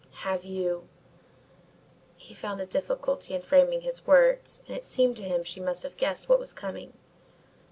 "Have you " he found a difficulty in framing his words and it seemed to him that she must have guessed what was coming.